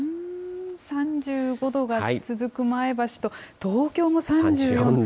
３５度が続く前橋と、東京も３４度。